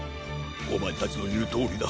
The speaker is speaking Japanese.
おまえたちのいうとおりだ。